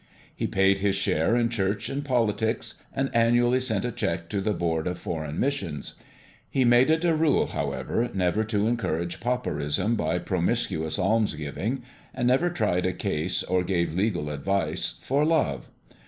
He paid his share in church and politics, and annually sent a check to the Board of Foreign Missions. He made it a rule, however, never to encourage pauperism by promiscuous almsgiving, and never tried a case or gave legal advice, for love.